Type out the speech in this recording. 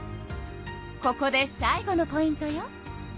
ここで最後のポイントよ。